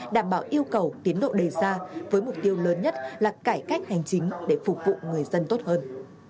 đảm bảo yêu cầu tiến độ đề ra với mục tiêu lớn nhất là cải cách hành chính để phục vụ người dân tốt hơn